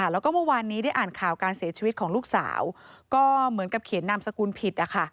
แล้วก็เมื่อวานนี้ได้อ่านข่าวการเสียชีวิตของลูกสาวก็เหมือนกับเขียนนามสกุลผิดนะคะ